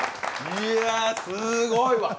いや、すごいわ。